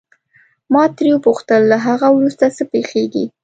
ما ترې وپوښتل له هغه وروسته څه پېښیږي.